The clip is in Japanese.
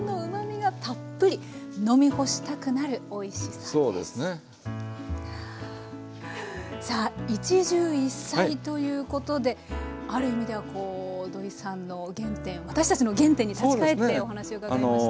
さあ一汁一菜ということである意味ではこう土井さんの原点私たちの原点に立ち返ってお話を伺いました。